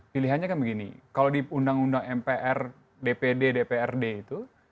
pilihannya kan begini kalau di undang undang mpr dpd dprd itu